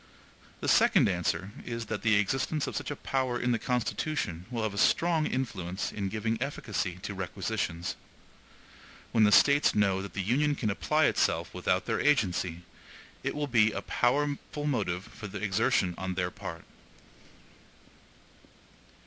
The second answer is, that the existence of such a power in the Constitution will have a strong influence in giving efficacy to requisitions. When the States know that the Union can apply itself without their agency, it will be a powerful motive for exertion on their part.